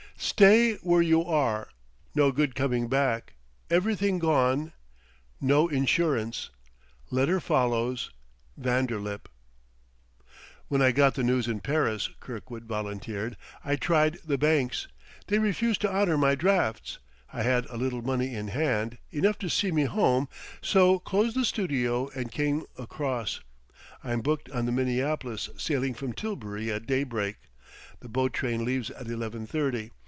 Stay where you are no good coming back everything gone no insurance letter follows vanderlip_." "When I got the news in Paris," Kirkwood volunteered, "I tried the banks; they refused to honor my drafts. I had a little money in hand, enough to see me home, so closed the studio and came across. I'm booked on the Minneapolis, sailing from Tilbury at daybreak; the boat train leaves at eleven thirty.